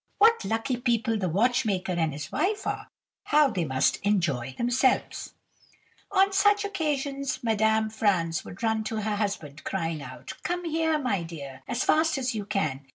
What lucky people the watchmaker and his wife are! How they must enjoy themselves!' "On such occasions, Madame Franz would run to her husband, crying out, 'Come here, my dear, as fast as you can!